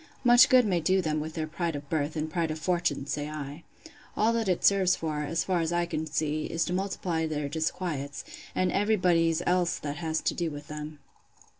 Much good may do them with their pride of birth, and pride of fortune! say I:—All that it serves for, as far as I can see, is, to multiply their disquiets, and every body's else that has to do with them.